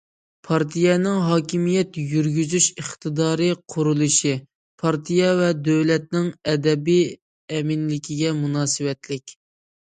پارتىيەنىڭ ھاكىمىيەت يۈرگۈزۈش ئىقتىدارى قۇرۇلۇشى پارتىيە ۋە دۆلەتنىڭ ئەبەدىي ئەمىنلىكىگە مۇناسىۋەتلىك.